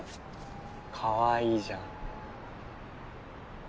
かわいいじゃん。